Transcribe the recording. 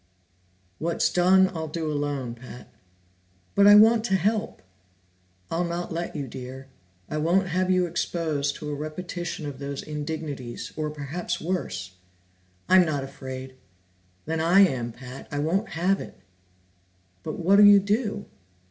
"What's done I'll do alone, Pat." "But I want to help!" "I'll not let you, Dear. I won't have you exposed to a repetition of those indignities, or perhaps worse!" "I'm not afraid." "Then I am, Pat! I won't have it!" "But what'll you do?"